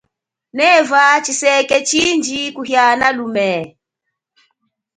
Neva tshiseke tshindji kuhiana lume.